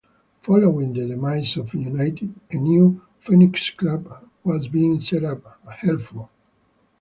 Following the demise of United, a new 'phoenix club' was being set up, Hereford.